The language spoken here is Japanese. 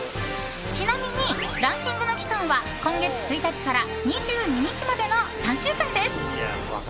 ちなみに、ランキングの期間は今月１日から２２日までの３週間です。